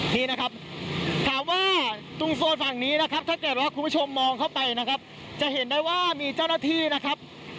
นี่นะครับถามว่าตรงโซนฝั่งนี้นะครับถ้าเกิดว่าคุณผู้ชมมองเข้าไปนะครับจะเห็นได้ว่ามีเจ้าหน้าที่นะครับ